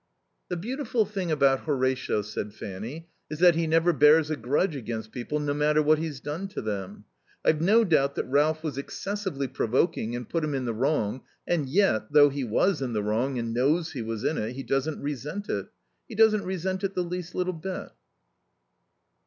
"The beautiful thing about Horatio," said Fanny, "is that he never bears a grudge against people, no matter what he's done to them. I've no doubt that Ralph was excessively provoking and put him in the wrong, and yet, though he was in the wrong, and knows he was in it, he doesn't resent it. He doesn't resent it the least little bit."